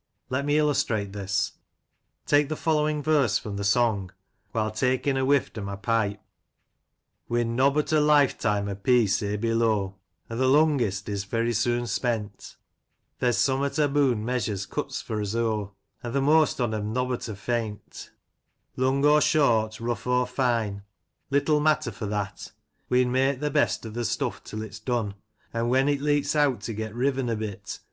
Let me illustrate this. Take the following verse from the song, "While takin' a wift o' my Pipe" — We'n nobbut a life time a piece here below, An* th' lungest is very soon spent ; There's summat aboon measures cuts for us o*, An' th* most on 'em nobbut a fent ; Lung or short, rough or fine, little matter for that, We'n make th* best o' th* stuff till it's done. An' when it leets eawt to get riwen a bit.